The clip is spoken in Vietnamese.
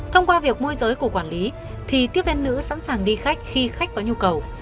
thông qua việc môi giới của quản lý thì tiếp viên nữ sẵn sàng đi khách khi khách có nhu cầu